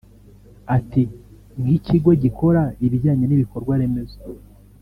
Ati “ Nk’ikigo gikora ibijyanye n’ibikorwa remezo